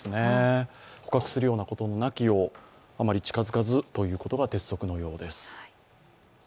捕獲するようなことなきよう、あまり近づかずということが鉄則のようです。